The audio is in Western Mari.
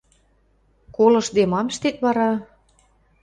Колыштде, мам ӹштет вара?